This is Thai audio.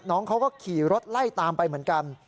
น้องเขาก็ขี่รถไล่ตามไปเหมือนกัน